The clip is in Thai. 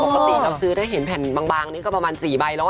ปกติเราซื้อถ้าเห็นแผ่นบางนี่ก็ประมาณ๔ใบแล้ว